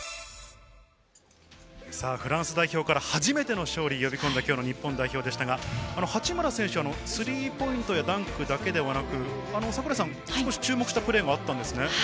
フランス代表から初めての勝利を呼び込んだ今日の日本代表でしたが、八村選手、スリーポイントやダンクだけではなく、注目したプレーもあったんですよね。